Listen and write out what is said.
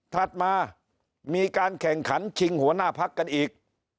ถัดมามีการแข่งขันชิงหัวหน้าพักกันอีก